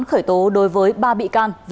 khởi tố đối với ba bị can